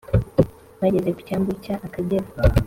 bageze ku cyambu cy’ akagera,